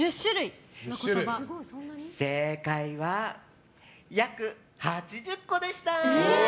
正解は約８０個でした！